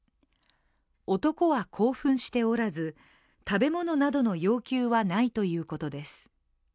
男は興奮しておらず、食べ物などの要求はないということです。